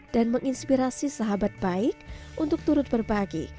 dan menginspirasi sahabat baik untuk turut berbagi